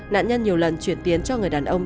nạn nhân nhiều lần chuyển tiền cho người đàn ông